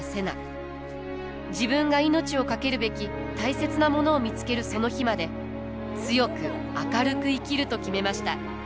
自分が命を懸けるべき大切なものを見つけるその日まで強く明るく生きると決めました。